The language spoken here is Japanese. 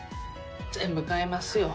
全部買いますよ。